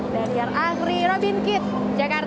daniar agri robin kitt jakarta